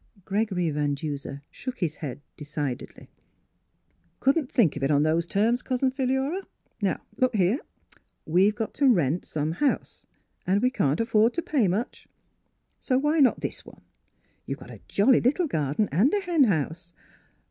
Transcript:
Gregory Van Duser shook his head de cidedly. " Couldn't think of it on those terms, Cousin Philura. Now, look here, we've got to rent some house and we can't af ford to pay much, so why not this one. Miss Philura's Wedding Gown You've got a jolly little garden and a hen house."